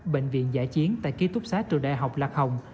bệnh viện giải chiến tại ký túc xá trường đại học lạc hồng